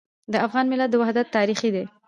د افغان ملت وحدت تاریخي دی.